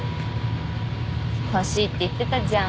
欲しいって言ってたじゃん。